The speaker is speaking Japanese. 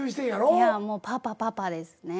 いやもうパパパパですね